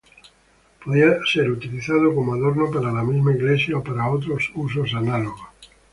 Podía ser utilizado como adorno para la misma iglesia, o para otros usos análogos.